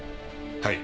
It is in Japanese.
はい。